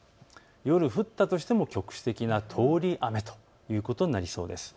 夜、降ったとしても局地的な通り雨ということになりそうです。